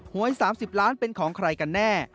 หวย๓๐ล้านเป็นของใครกันแน่